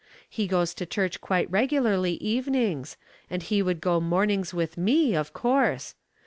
He goes to church quite regularly evenings ; and he would go mornings with me of course.